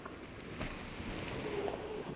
সময়ের সাথে সব কীভাবে বদলে যায়।